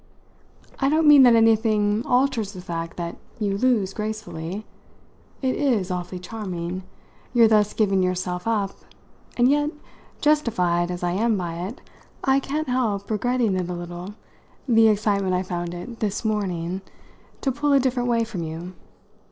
"I don't mean that anything alters the fact that you lose gracefully. It is awfully charming, your thus giving yourself up, and yet, justified as I am by it, I can't help regretting a little the excitement I found it this morning to pull a different way from you.